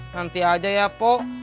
nanti aja ya pok